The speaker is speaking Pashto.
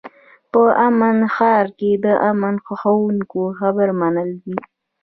په امن ښار کې د امن خوښوونکو خبره منل دي.